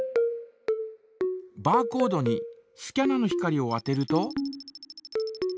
バーコードにスキャナの光を当てると。